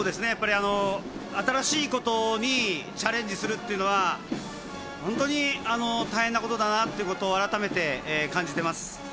新しいことにチャレンジするというのは本当に大変なことだなということを改めて感じています。